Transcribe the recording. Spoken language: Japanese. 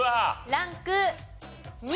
ランク２。